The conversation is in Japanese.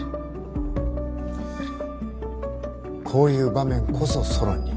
こういう場面こそソロンに。